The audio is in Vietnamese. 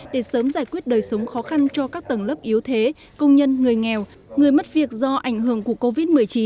để sớm giải quyết đời sống khó khăn cho các tầng lớp yếu thế công nhân người nghèo người mất việc do ảnh hưởng của covid một mươi chín